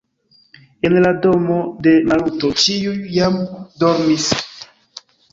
En la domo de Maluto ĉiuj jam dormis.